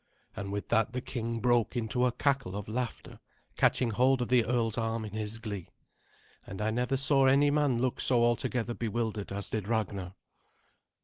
And with that the king broke into a cackle of laughter, catching hold of the earl's arm in his glee. And I never saw any man look so altogether bewildered as did Ragnar.